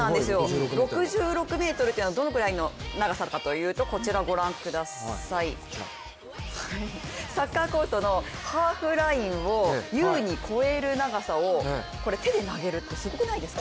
６６ｍというのはどのぐらいの長さかというとこちらご覧ください、サッカーコートのハーフラインを優に超える長さを手で投げるってすごくないですか？